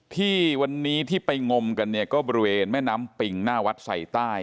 ที่วันนี้ที่ไปงมกันเนี่ยก็บริเวณแม่น้ำปิงหน้าวัดใส่ใต้